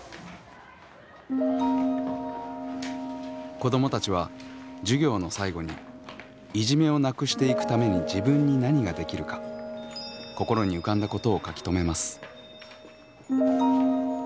子どもたちは授業の最後にいじめをなくしていくために自分に何ができるか心に浮かんだことを書き留めます。